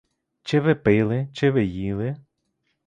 Чи ви пили, чи ви їли?